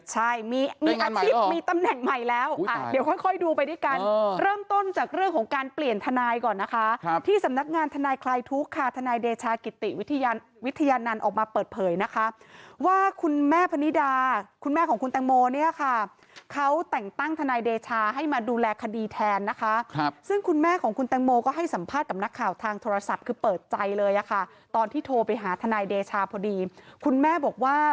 ใช่มีอาชิบมีตำแหน่งใหม่แล้วเดี๋ยวค่อยดูไปด้วยกันเริ่มต้นจากเรื่องของการเปลี่ยนทนายก่อนนะคะที่สำนักงานทนายคลายทุกขาทนายเดชากิติวิทยานั้นออกมาเปิดเผยนะคะว่าคุณแม่พนิดาคุณแม่ของคุณแตงโมเนี่ยค่ะเขาแต่งตั้งทนายเดชาให้มาดูแลคดีแทนนะคะซึ่งคุณแม่ของคุณแตงโมก็ให้สัมภาษณ์กับนักข่า